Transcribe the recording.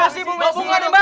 mbak mau bunga nih mbak